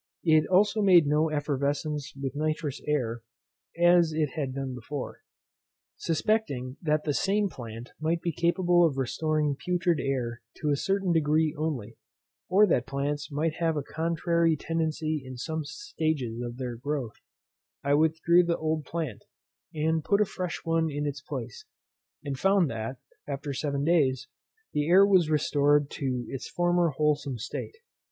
It also made no effervescence with nitrous air, as it had done before. Suspecting that the same plant might be capable of restoring putrid air to a certain degree only, or that plants might have a contrary tendency in some stages of their growth, I withdrew the old plant, and put a fresh one in its place; and found that, after seven days, the air was restored to its former wholesome state.